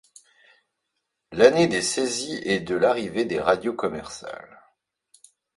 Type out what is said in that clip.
L'année des saisies et de l'arrivée des radios commerciales.